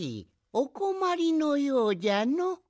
おこまりのようじゃの。